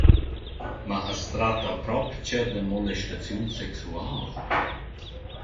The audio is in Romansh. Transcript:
Ma as tratta propcha da molestaziun sexuala?